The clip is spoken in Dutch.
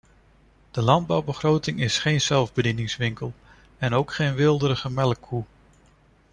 De landbouwbegroting is geen zelfbedieningswinkel en ook geen weelderige melkkoe.